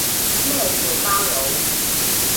咩叫包佬